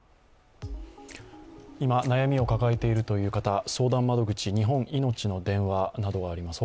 今、悩みを抱えているという方、相談窓口日本いのちの電話などがあります。